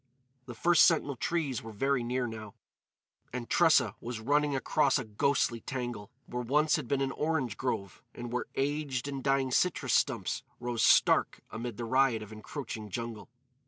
The first sentinel trees were very near, now; and Tressa was running across a ghostly tangle, where once had been an orange grove, and where aged and dying citrus stumps rose stark amid the riot of encroaching jungle.